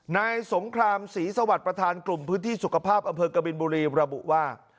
นายสงครามศรีสวัสดิ์ประธานกลุ่มพื้นที่สุขภาพอำเภอกบินบุรีระบุว่า